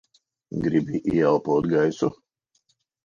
Gribi ieelpot gaisu?